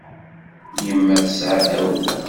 Yemma tesɛa tawla.